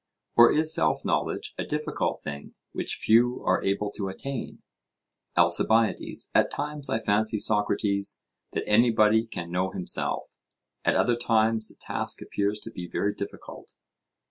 Or is self knowledge a difficult thing, which few are able to attain? ALCIBIADES: At times I fancy, Socrates, that anybody can know himself; at other times the task appears to be very difficult.